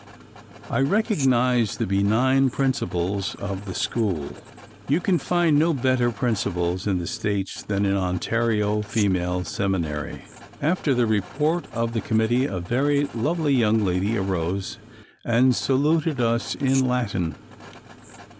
I recognized the benign Principals of the school. You can find no better principles in the states than in Ontario Female Seminary. After the report of the committee a very lovely young lady arose and saluted us in Latin.